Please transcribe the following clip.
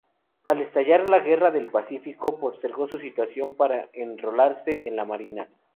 Al estallar la Guerra del Pacífico, postergó su titulación para enrolarse en la Marina.